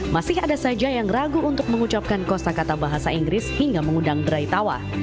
masih ada saja yang ragu untuk mengucapkan kosa kata bahasa inggris hingga mengundang derai tawa